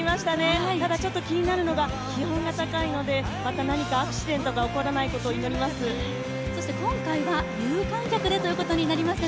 だた気になるのが気温が高いので、また何かアクシデントが起こらないことを祈ります。